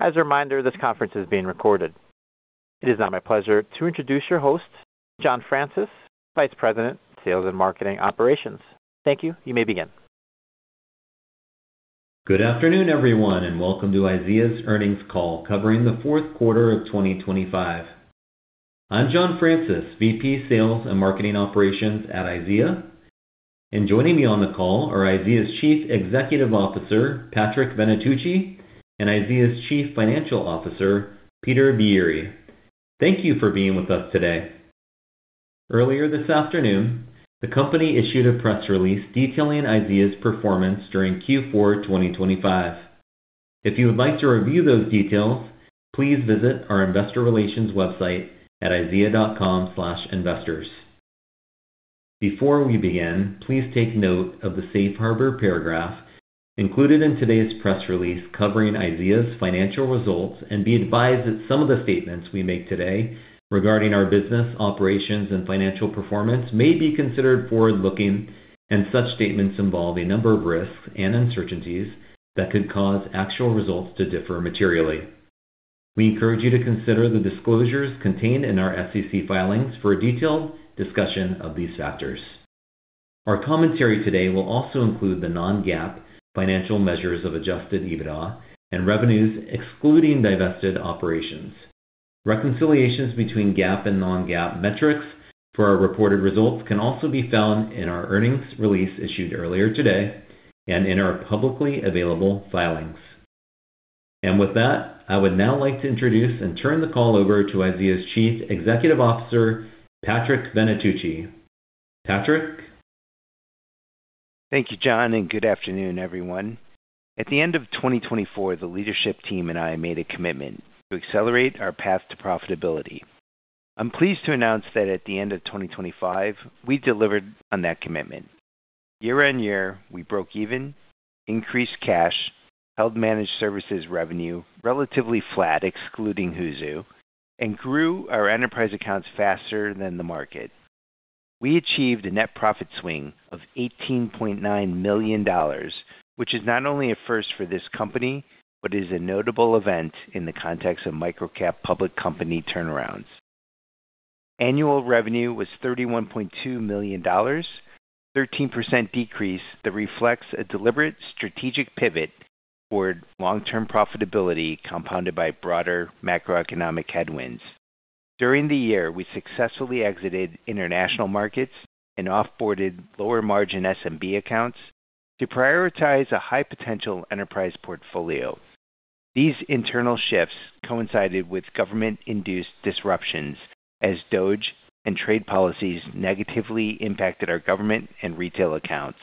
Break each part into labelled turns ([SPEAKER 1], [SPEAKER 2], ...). [SPEAKER 1] As a reminder, this conference is being recorded. It is now my pleasure to introduce your host, John Francis, Vice President, Sales and Marketing Operations. Thank you. You may begin.
[SPEAKER 2] Good afternoon, everyone, and welcome to IZEA's earnings call covering the fourth quarter of 2025. I'm John Francis, VP, Sales and Marketing Operations at IZEA, and joining me on the call are IZEA's Chief Executive Officer, Patrick Venetucci, and IZEA's Chief Financial Officer, Peter Biere. Thank you for being with us today. Earlier this afternoon, the company issued a press release detailing IZEA's performance during Q4 2025. If you would like to review those details, please visit our investor relations website at IZEA.com/investors. Before we begin, please take note of the safe harbor paragraph included in today's press release covering IZEA's financial results and be advised that some of the statements we make today regarding our business, operations, and financial performance may be considered forward-looking, and such statements involve a number of risks and uncertainties that could cause actual results to differ materially. We encourage you to consider the disclosures contained in our SEC filings for a detailed discussion of these factors. Our commentary today will also include the non-GAAP financial measures of Adjusted EBITDA and revenues excluding divested operations. Reconciliations between GAAP and non-GAAP metrics for our reported results can also be found in our earnings release issued earlier today and in our publicly available filings. With that, I would now like to introduce and turn the call over to IZEA's Chief Executive Officer, Patrick Venetucci. Patrick.
[SPEAKER 3] Thank you, John, and good afternoon, everyone. At the end of 2024, the leadership team and I made a commitment to accelerate our path to profitability. I'm pleased to announce that at the end of 2025, we delivered on that commitment. Year-on-year, we broke even, increased cash, held Managed Services revenue relatively flat, excluding Hoozu, and grew our enterprise accounts faster than the market. We achieved a net profit swing of $18.9 million, which is not only a first for this company, but is a notable event in the context of microcap public company turnaounds. Annual revenue was $31.2 million, a 13% decrease that reflects a deliberate strategic pivot toward long-term profitability compounded by broader macroeconomic headwinds. During the year, we successfully exited international markets and off-boarded lower-margin SMB accounts to prioritize a high-potential enterprise portfolio. These internal shifts coincided with government-induced disruptions as DOGE and trade policies negatively impacted our government and retail accounts.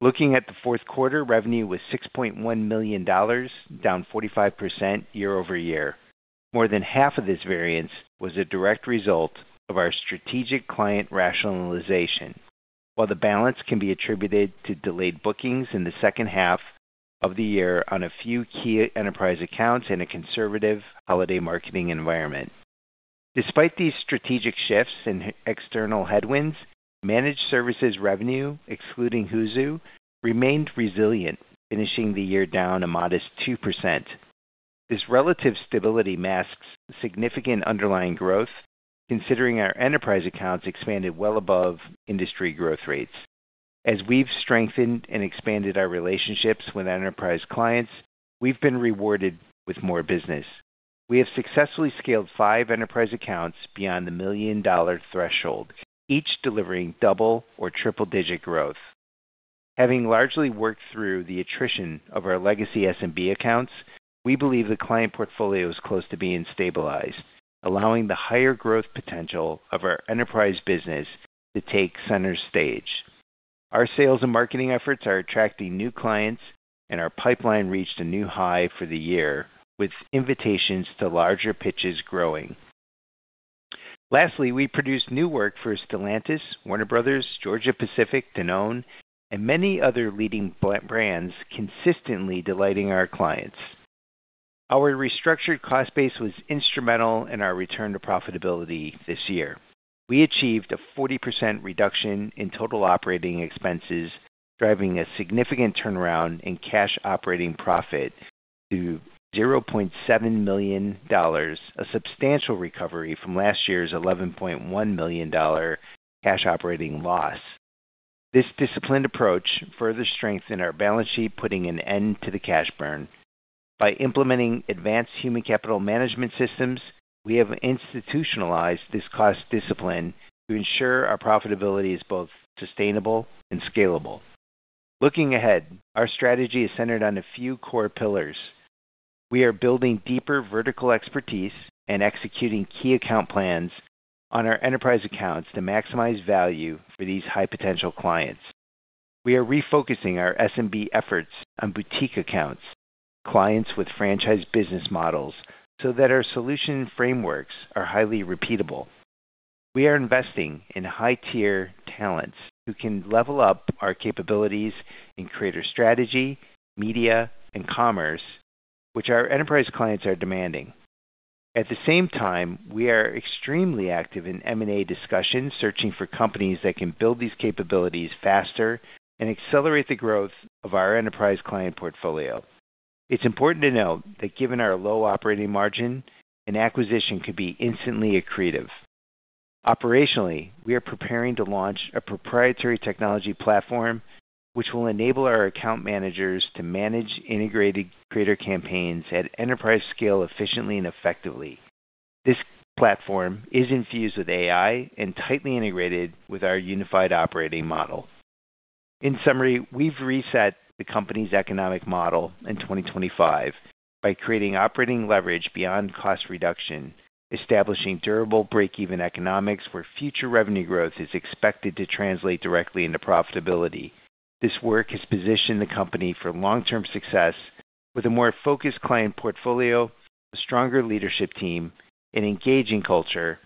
[SPEAKER 3] Looking at the fourth quarter, revenue was $6.1 million, down 45% year-over-year. More than half of this variance was a direct result of our strategic client rationalization, while the balance can be attributed to delayed bookings in the second half of the year on a few key enterprise accounts in a conservative holiday marketing environment. Despite these strategic shifts and external headwinds, Managed Services revenue, excluding Hoozu, remained resilient, finishing the year down a modest 2%. This relative stability masks significant underlying growth, considering our enterprise accounts expanded well above industry growth rates. As we've strengthened and expanded our relationships with enterprise clients, we've been rewarded with more business. We have successfully scaled five enterprise accounts beyond the million-dollar threshold, each delivering double or triple-digit growth. Having largely worked through the attrition of our legacy SMB accounts, we believe the client portfolio is close to being stabilized, allowing the higher growth potential of our enterprise business to take center stage. Our sales and marketing efforts are attracting new clients, and our pipeline reached a new high for the year, with invitations to larger pitches growing. We produced new work for Stellantis, Warner Bros., Georgia-Pacific, Danone, and many other leading brands, consistently delighting our clients. Our restructured cost base was instrumental in our return to profitability this year. We achieved a 40% reduction in total operating expenses, driving a significant turnaround in cash operating profit to $0.7 million, a substantial recovery from last year's $11.1 million cash operating loss. This disciplined approach further strengthened our balance sheet, putting an end to the cash burn. By implementing advanced human capital management systems, we have institutionalized this cost discipline to ensure our profitability is both sustainable and scalable. Looking ahead, our strategy is centered on a few core pillars. We are building deeper vertical expertise and executing key account plans on our enterprise accounts to maximize value for these high-potential clients. We are refocusing our SMB efforts on boutique accounts, clients with franchise business models, so that our solution frameworks are highly repeatable. We are investing in high-tier talents who can level up our capabilities in creator strategy, media, and commerce, which our enterprise clients are demanding. At the same time, we are extremely active in M&A discussions, searching for companies that can build these capabilities faster and accelerate the growth of our enterprise client portfolio. It's important to note that given our low operating margin, an acquisition could be instantly accretive. Operationally, we are preparing to launch a proprietary technology platform, which will enable our account managers to manage integrated creator campaigns at enterprise scale efficiently and effectively. This platform is infused with AI and tightly integrated with our unified operating model. In summary, we've reset the company's economic model in 2025 by creating operating leverage beyond cost reduction, establishing durable breakeven economics where future revenue growth is expected to translate directly into profitability. This work has positioned the company for long-term success with a more focused client portfolio, a stronger leadership team, an engaging culture,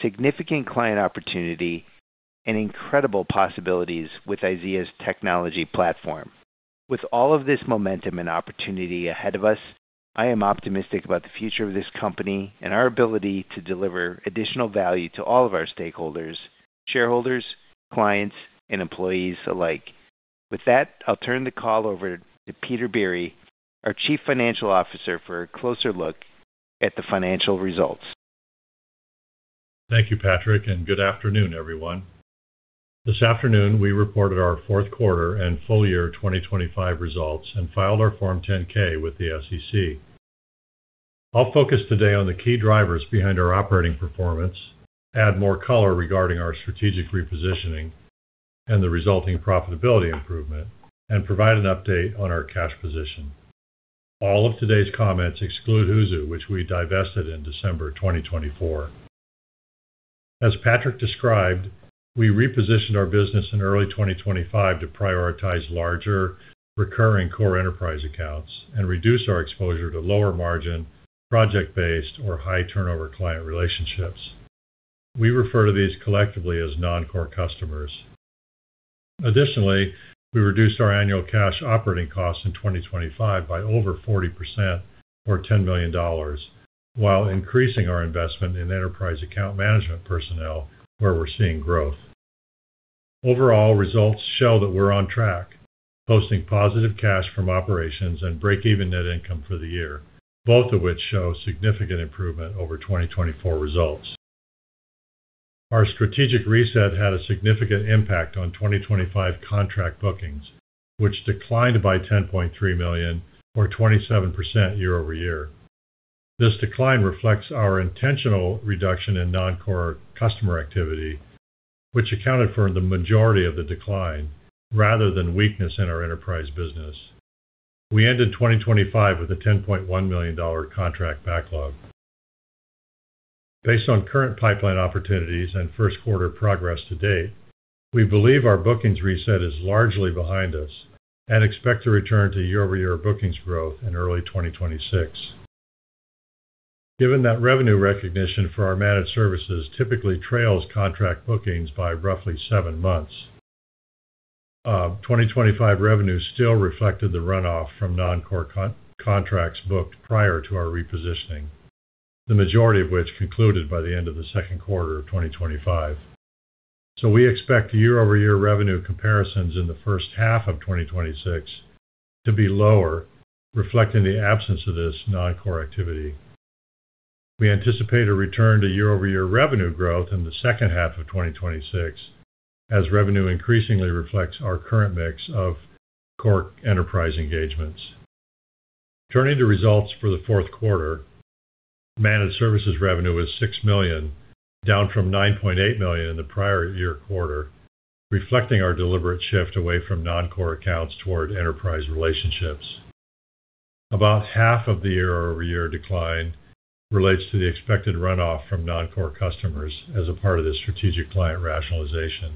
[SPEAKER 3] significant client opportunity, and incredible possibilities with IZEA's technology platform. With all of this momentum and opportunity ahead of us, I am optimistic about the future of this company and our ability to deliver additional value to all of our stakeholders, shareholders, clients, and employees alike. With that, I'll turn the call over to Peter Biere, our Chief Financial Officer, for a closer look at the financial results.
[SPEAKER 4] Thank you, Patrick, and good afternoon, everyone. This afternoon we reported our fourth quarter and full year 2025 results and filed our Form 10-K with the SEC. I'll focus today on the key drivers behind our operating performance, add more color regarding our strategic repositioning and the resulting profitability improvement, and provide an update on our cash position. All of today's comments exclude Hoozu, which we divested in December 2024. As Patrick described, we repositioned our business in early 2025 to prioritize larger recurring core enterprise accounts and reduce our exposure to lower margin, project-based or high turnover client relationships. We refer to these collectively as non-core customers. Additionally, we reduced our annual cash operating costs in 2025 by over 40% or $10 million, while increasing our investment in enterprise account management personnel where we're seeing growth. Overall, results show that we're on track, posting positive cash from operations and break-even net income for the year, both of which show significant improvement over 2024 results. Our strategic reset had a significant impact on 2025 contract bookings, which declined by $10.3 million or 27% year-over-year. This decline reflects our intentional reduction in non-core customer activity, which accounted for the majority of the decline rather than weakness in our enterprise business. We ended 2025 with a $10.1 million contract backlog. Based on current pipeline opportunities and first quarter progress to date, we believe our bookings reset is largely behind us and expect to return to year-over-year bookings growth in early 2026. Given that revenue recognition for our Managed Services typically trails contract bookings by roughly seven months, 2025 revenue still reflected the runoff from non-core contracts booked prior to our repositioning, the majority of which concluded by the end of the second quarter of 2025. We expect year-over-year revenue comparisons in the first half of 2026 to be lower, reflecting the absence of this non-core activity. We anticipate a return to year-over-year revenue growth in the second half of 2026 as revenue increasingly reflects our current mix of core enterprise engagements. Turning to results for the fourth quarter. Managed Services revenue was $6 million, down from $9.8 million in the prior year quarter, reflecting our deliberate shift away from non-core accounts toward enterprise relationships. About half of the year-over-year decline relates to the expected runoff from non-core customers as a part of this strategic client rationalization.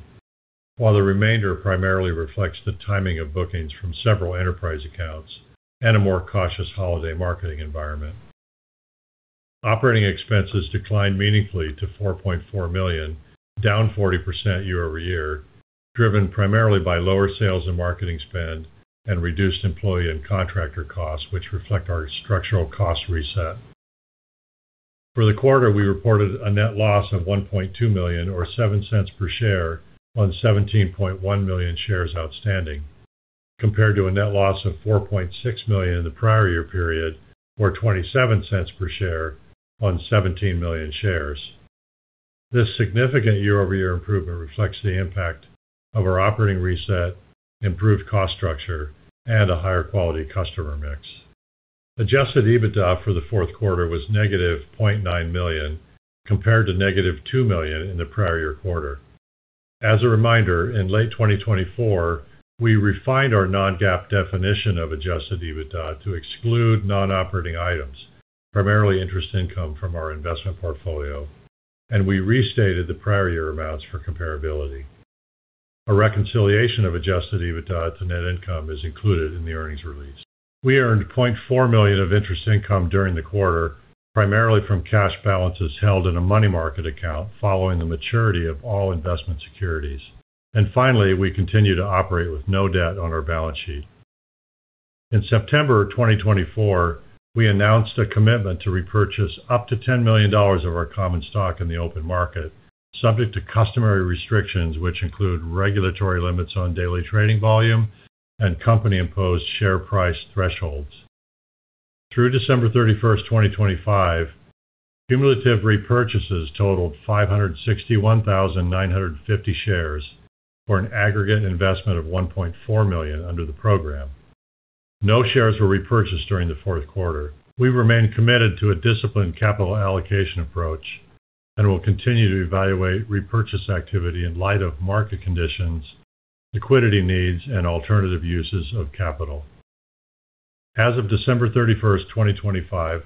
[SPEAKER 4] While the remainder primarily reflects the timing of bookings from several enterprise accounts and a more cautious holiday marketing environment. Operating expenses declined meaningfully to $4.4 million, down 40% year-over-year, driven primarily by lower sales and marketing spend and reduced employee and contractor costs, which reflect our structural cost reset. For the quarter, we reported a net loss of $1.2 million or $0.07 per share on 17.1 million shares outstanding, compared to a net loss of $4.6 million in the prior year period, or $0.27 per share on 17 million shares. This significant year-over-year improvement reflects the impact of our operating reset, improved cost structure, and a higher quality customer mix. Adjusted EBITDA for the fourth quarter was negative $0.9 million, compared to negative $2 million in the prior year quarter. As a reminder, in late 2024, we refined our non-GAAP definition of adjusted EBITDA to exclude non-operating items, primarily interest income from our investment portfolio, and we restated the prior year amounts for comparability. A reconciliation of adjusted EBITDA to net income is included in the earnings release. We earned $0.4 million of interest income during the quarter, primarily from cash balances held in a money market account following the maturity of all investment securities. We continue to operate with no debt on our balance sheet. In September 2024, we announced a commitment to repurchase up to $10 million of our common stock in the open market, subject to customary restrictions, which include regulatory limits on daily trading volume and company-imposed share price thresholds. Through December 31, 2025, cumulative repurchases totaled 561,950 shares for an aggregate investment of $1.4 million under the program. No shares were repurchased during the fourth quarter. We remain committed to a disciplined capital allocation approach and will continue to evaluate repurchase activity in light of market conditions, liquidity needs, and alternative uses of capital. As of December 31, 2025,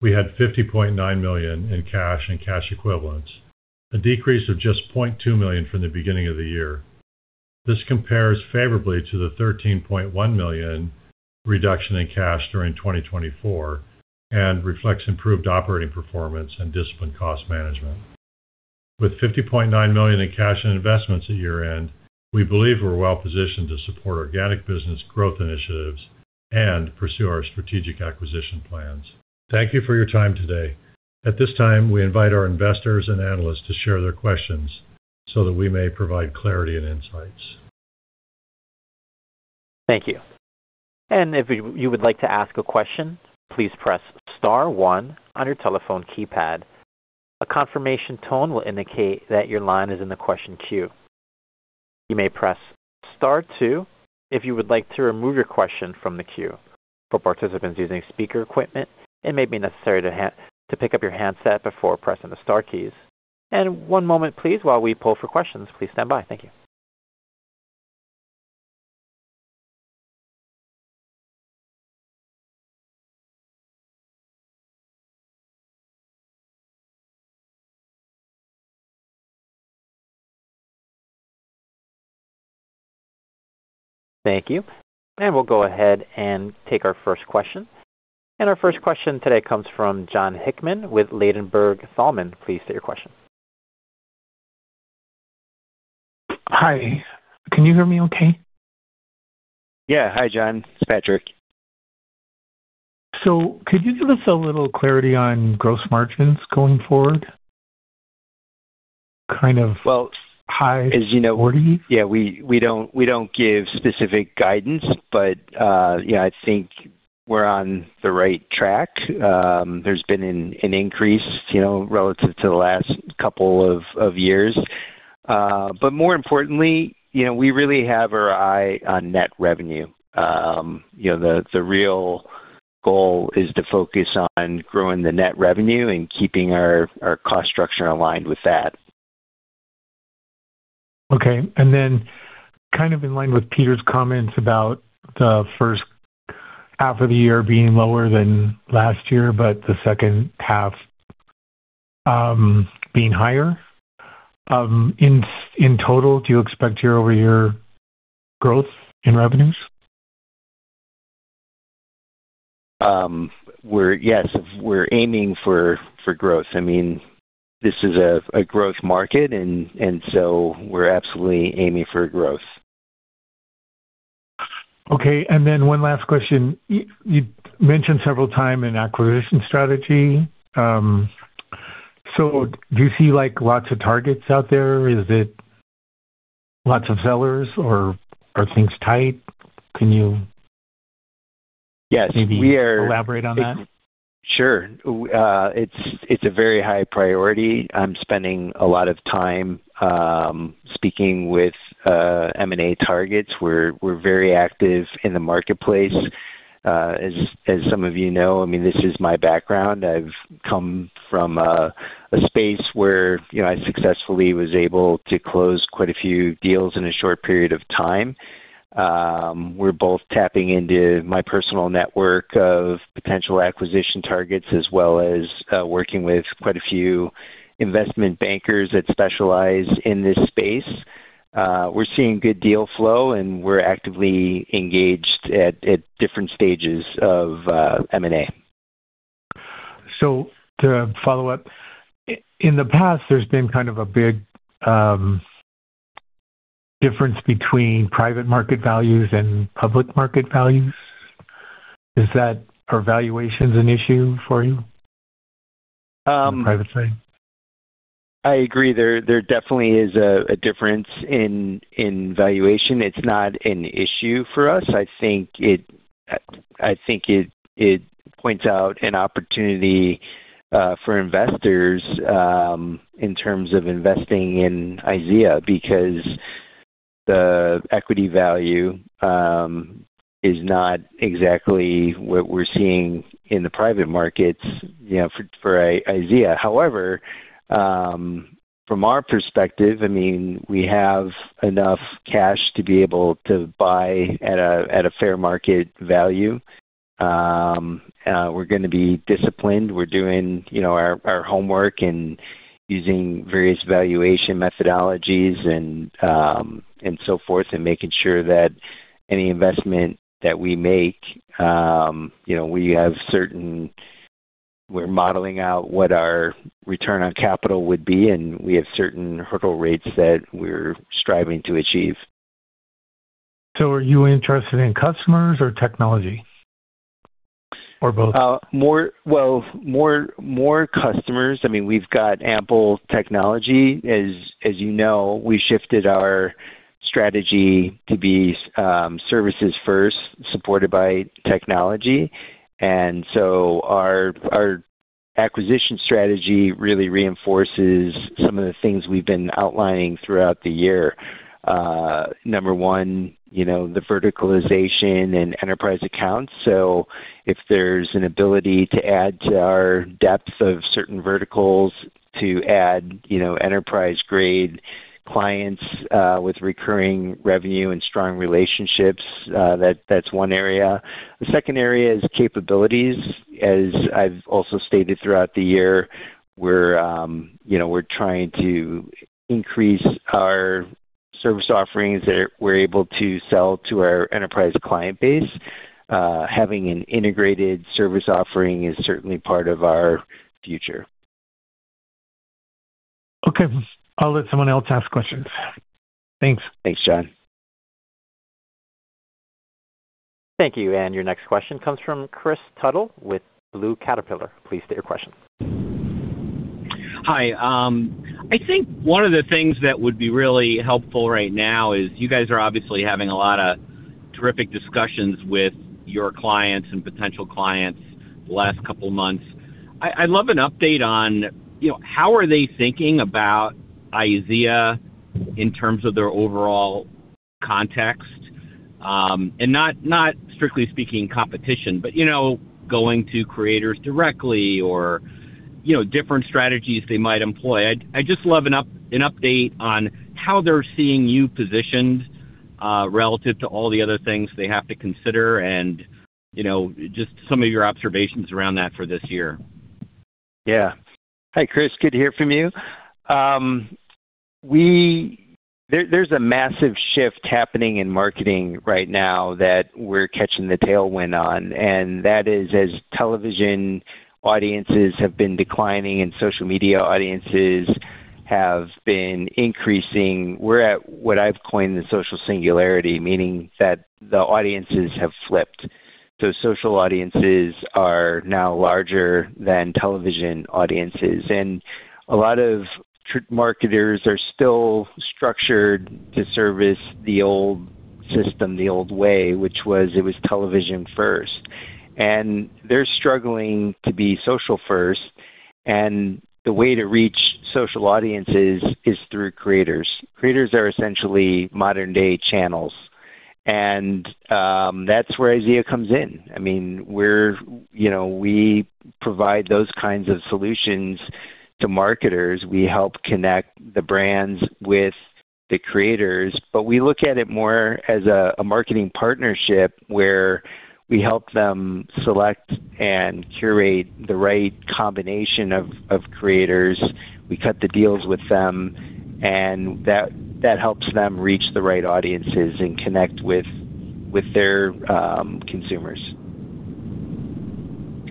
[SPEAKER 4] we had $50.9 million in cash and cash equivalents, a decrease of just $0.2 million from the beginning of the year. This compares favorably to the $13.1 million reduction in cash during 2024 and reflects improved operating performance and disciplined cost management. With $50.9 million in cash and investments at year-end, we believe we're well positioned to support organic business growth initiatives and pursue our strategic acquisition plans. Thank you for your time today. At this time, we invite our investors and analysts to share their questions so that we may provide clarity and insights.
[SPEAKER 1] Thank you. If you would like to ask a question, please press Star one on your telephone keypad. A confirmation tone will indicate that your line is in the question queue. You may press Star two if you would like to remove your question from the queue. For participants using speaker equipment, it may be necessary to pick up your handset before pressing the Star keys. One moment please while we pull for questions. Please stand by. Thank you. Thank you. We'll go ahead and take our first question. Our first question today comes from Jon Hickman with Ladenburg Thalmann. Please state your question.
[SPEAKER 5] Hi. Can you hear me okay?
[SPEAKER 3] Yeah. Hi, Jon. It's Patrick.
[SPEAKER 5] Could you give us a little clarity on gross margins going forward?
[SPEAKER 3] Well-
[SPEAKER 5] High 40?
[SPEAKER 3] As you know, yeah, we don't give specific guidance, but, you know, I think we're on the right track. There's been an increase, you know, relative to the last couple of years. More importantly, you know, we really have our eye on net revenue. You know, the real goal is to focus on growing the net revenue and keeping our cost structure aligned with that.
[SPEAKER 5] Okay. Kind of in line with Peter's comments about the first half of the year being lower than last year, but the second half being higher. In total, do you expect year-over-year growth in revenues?
[SPEAKER 3] Yes, we're aiming for growth. I mean, this is a growth market and so we're absolutely aiming for growth.
[SPEAKER 5] Okay. Then one last question. You mentioned several times an acquisition strategy. So do you see, like, lots of targets out there? Is it lots of sellers or are things tight?
[SPEAKER 3] Yes.
[SPEAKER 5] Can you maybe elaborate on that?
[SPEAKER 3] Sure. It's a very high priority. I'm spending a lot of time speaking with M&A targets. We're very active in the marketplace. As some of you know, I mean, this is my background. I've come from a space where, you know, I successfully was able to close quite a few deals in a short period of time. We're both tapping into my personal network of potential acquisition targets, as well as working with quite a few investment bankers that specialize in this space. We're seeing good deal flow, and we're actively engaged at different stages of M&A.
[SPEAKER 5] To follow up, in the past, there's been kind of a big difference between private market values and public market values. Are valuations an issue for you in the private space?
[SPEAKER 3] I agree. There definitely is a difference in valuation. It's not an issue for us. I think it points out an opportunity for investors in terms of investing in IZEA because the equity value is not exactly what we're seeing in the private markets, you know, for IZEA. However, from our perspective, I mean, we have enough cash to be able to buy at a fair market value. We're gonna be disciplined. We're doing you know our homework and using various valuation methodologies and so forth, and making sure that any investment that we make you know we have certain. We're modeling out what our return on capital would be, and we have certain hurdle rates that we're striving to achieve.
[SPEAKER 5] Are you interested in customers or technology or both?
[SPEAKER 3] Well, more customers. I mean, we've got ample technology. As you know, we shifted our strategy to be services first, supported by technology. Our acquisition strategy really reinforces some of the things we've been outlining throughout the year. Number one, you know, the verticalization in enterprise accounts. If there's an ability to add to our depth of certain verticals to add, you know, enterprise-grade clients with recurring revenue and strong relationships, that's one area. The second area is capabilities. As I've also stated throughout the year, we're, you know, trying to increase our service offerings that we're able to sell to our enterprise client base. Having an integrated service offering is certainly part of our future.
[SPEAKER 5] Okay. I'll let someone else ask questions. Thanks.
[SPEAKER 3] Thanks, Jon.
[SPEAKER 1] Thank you. Your next question comes from Kris Tuttle with Blue Caterpillar. Please state your question.
[SPEAKER 6] Hi. I think one of the things that would be really helpful right now is you guys are obviously having a lot of terrific discussions with your clients and potential clients the last couple of months. I'd love an update on, you know, how are they thinking about IZEA in terms of their overall context? Not strictly speaking competition, but, you know, going to creators directly or, you know, different strategies they might employ. I'd just love an update on how they're seeing you positioned relative to all the other things they have to consider and, you know, just some of your observations around that for this year.
[SPEAKER 3] Yeah. Hi, Kris. Good to hear from you. There's a massive shift happening in marketing right now that we're catching the tailwind on, and that is, as television audiences have been declining and social media audiences have been increasing, we're at what I've coined the social singularity, meaning that the audiences have flipped. Social audiences are now larger than television audiences. A lot of marketers are still structured to service the old system, the old way, which was television first. They're struggling to be social first. The way to reach social audiences is through creators. Creators are essentially modern-day channels. That's where IZEA comes in. I mean, we're, you know, we provide those kinds of solutions to marketers. We help connect the brands with the creators, but we look at it more as a marketing partnership where we help them select and curate the right combination of creators. We cut the deals with them, and that helps them reach the right audiences and connect with their consumers.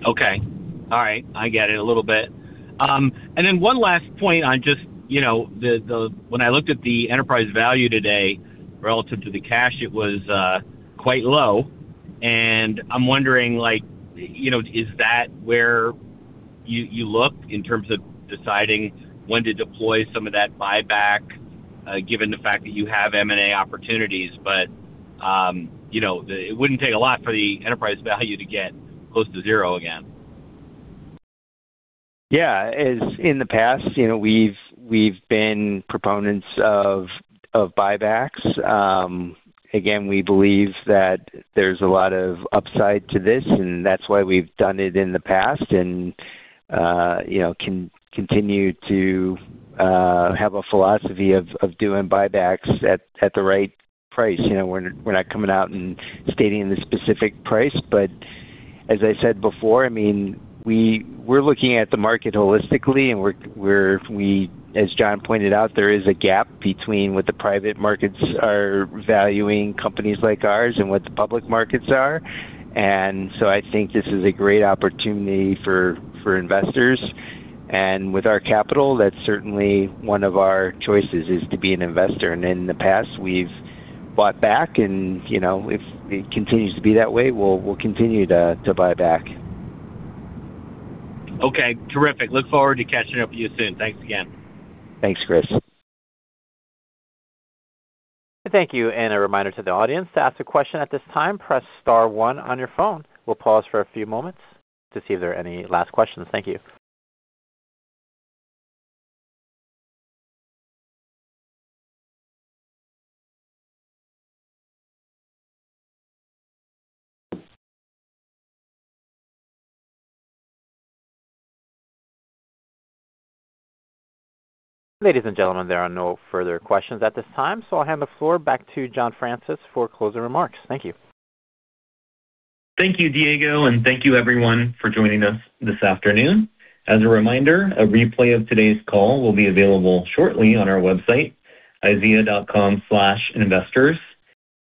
[SPEAKER 6] Okay. All right. I get it a little bit. One last point on just, you know, when I looked at the enterprise value today relative to the cash, it was quite low. I'm wondering, like, you know, is that where you look in terms of deciding when to deploy some of that buyback, given the fact that you have M&A opportunities, but, you know, it wouldn't take a lot for the enterprise value to get close to zero again.
[SPEAKER 3] Yeah. As in the past, you know, we've been proponents of buybacks. Again, we believe that there's a lot of upside to this, and that's why we've done it in the past and, you know, continue to have a philosophy of doing buybacks at the right price. You know, we're not coming out and stating the specific price, but as I said before, I mean, we're looking at the market holistically, and as Jon pointed out, there is a gap between what the private markets are valuing companies like ours and what the public markets are. I think this is a great opportunity for investors. With our capital, that's certainly one of our choices, is to be an investor. In the past, we've bought back and, you know, if it continues to be that way, we'll continue to buy back.
[SPEAKER 6] Okay. Terrific. Look forward to catching up with you soon. Thanks again.
[SPEAKER 3] Thanks, Kris.
[SPEAKER 1] Thank you. A reminder to the audience, to ask a question at this time, press Star one on your phone. We'll pause for a few moments to see if there are any last questions. Thank you. Ladies and gentlemen, there are no further questions at this time, so I'll hand the floor back to John Francis for closing remarks. Thank you.
[SPEAKER 2] Thank you, Diego, and thank you everyone for joining us this afternoon. As a reminder, a replay of today's call will be available shortly on our website, IZEA.com/investors.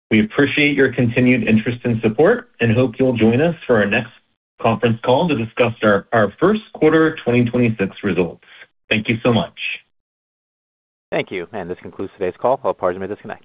[SPEAKER 2] We appreciate your continued interest and support and hope you'll join us for our next conference call to discuss our first quarter 2026 results. Thank you so much.
[SPEAKER 1] Thank you. This concludes today's call. All parties may disconnect.